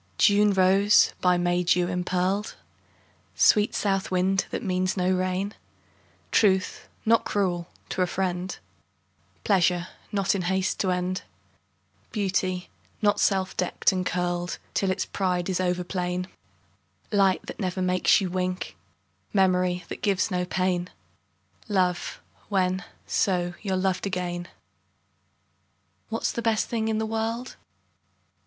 June rose, by May dew impearled ; Sweet south wind, that means no rain; Truth, not cruel to a friend; Pleasure, not in haste to end ; Beauty, not self decked and curled Till its pride is over plain; Light, that never makes you wink; Memory, that gives no pain ; Love, when, so, you 're loved again. What's the best thing in the world